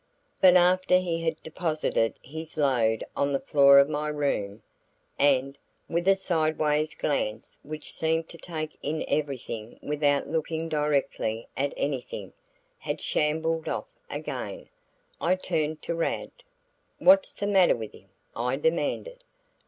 But after he had deposited his load on the floor of my room, and, with a sidewise glance which seemed to take in everything without looking directly at anything, had shambled off again, I turned to Rad. "What's the matter with him?" I demanded.